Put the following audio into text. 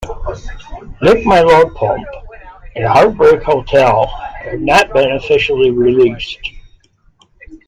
"Lick My Love Pump" and "Heartbreak Hotel" have not been officially released.